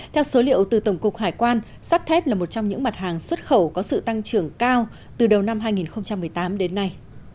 theo số liệu từ tổng cục hải quan sắt thép là một trong những mặt hàng xuất khẩu có sự tăng trưởng cao từ đầu năm hai nghìn một mươi tám đến nay